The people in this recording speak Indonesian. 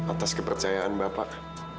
atas kepercayaan bapak